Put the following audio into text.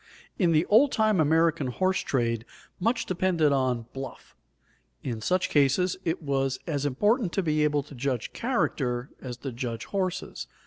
In the old time American horse trade much depended on "bluff"; in such cases it was as important to be able to judge character as to judge horses.